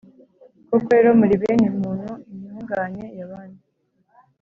Koko rero, muri bene muntu intungane yaba nde?